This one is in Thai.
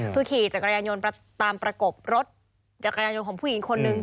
คือขี่จักรยานยนต์ตามประกบรถจักรยานยนต์ของผู้หญิงคนนึง